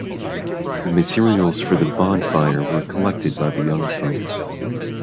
The materials for the bonfire were collected by the young folk.